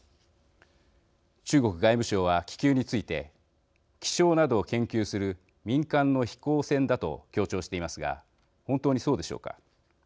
中国外務省は、気球について気象などを研究する民間の飛行船だと強調していますが本当にそうでしょうか。